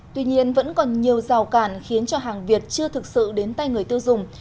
tuy nhiên vẫn còn nhiều rào cản khiến cho hàng việt chưa thực sự đến tay người tiêu dùng